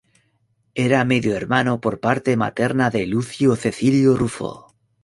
Era medio hermano por parte materna de Lucio Cecilio Rufo.